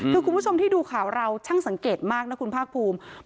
คือคุณผู้ชมที่ดูข่าวเราช่างสังเกตมากนะคุณภาคภูมิ